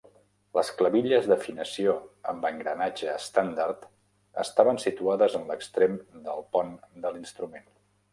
Les clavilles d'afinació amb engranatge estàndard estaven situades en l'extrem del pont de l'instrument.